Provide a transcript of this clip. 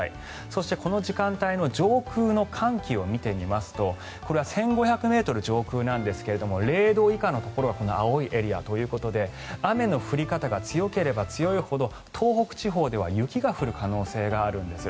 そしてこの時間帯の上空の寒気を見てみますとこれは１５００ｍ上空なんですが０度以下のところが青いエリアということで雨の降り方が強ければ強いほど東北地方では雪が降る可能性があるんです。